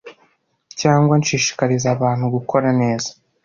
cyangwa nshishikariza abantu gukora neza